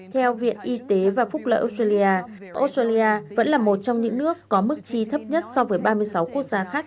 theo viện y tế và phúc lợi australia vẫn là một trong những nước có mức chi thấp nhất so với ba mươi sáu quốc gia khác